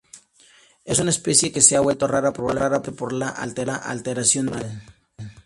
Es una especie que se ha vuelto rara, probablemente por la alteración del litoral.